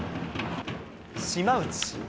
島内。